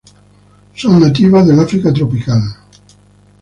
Son nativas del África tropical.